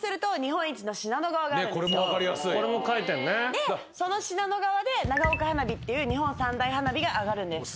でその信濃川で長岡花火っていう日本三大花火が上がるんです。